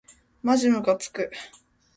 まじむかつく